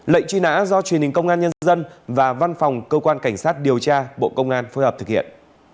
lệnh truy nã do truyền hình công an nhân dân và văn phòng cơ quan cảnh sát điều tra bộ công an phối hợp thực hiện